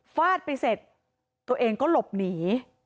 ฟาดไปเสร็จตัวเองก็หลบหนี